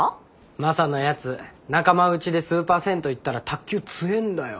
マサのやつ仲間うちでスーパー銭湯行ったら卓球強んだよ。